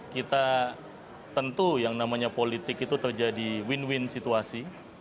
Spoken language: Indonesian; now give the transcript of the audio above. kita tentu yang namanya politik itu terjadi win win situasi